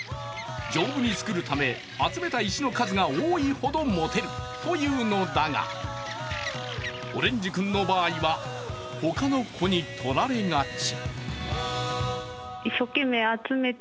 丈夫に作るため集めた石の数が多い方がモテるというのだがオレンジ君の場合は、他の子にとられがち。